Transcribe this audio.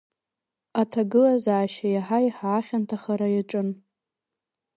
Аҭагылазаашьа иаҳа-иаҳа ахьанҭахара иаҿын.